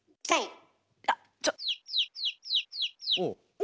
はい。